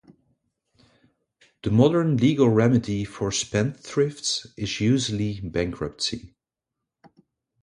The modern legal remedy for spendthrifts is usually bankruptcy.